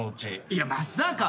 いやまさか！